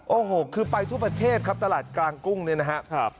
โอ้โหคือไปทั่วประเทศครับตลาดกลางกุ้งเนี่ยนะครับ